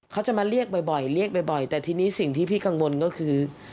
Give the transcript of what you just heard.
เขาจะมาเรียกบ่อยแต่ทีนี้สิ่งที่พี่กังวลก็คือ